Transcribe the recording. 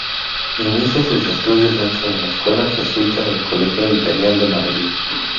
Inicia sus estudios dentro de la escuela jesuíta del "Colegio Imperial" de Madrid.